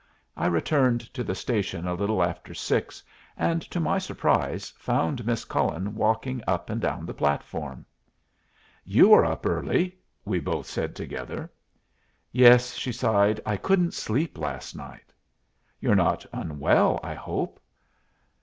I returned to the station a little after six, and, to my surprise, found Miss Cullen walking up and down the platform. "You are up early!" we both said together. "Yes," she sighed. "I couldn't sleep last night." "You're not unwell, I hope?"